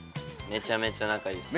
めちゃめちゃ仲いいです。